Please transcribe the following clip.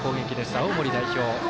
青森代表。